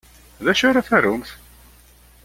D acu ara tarumt?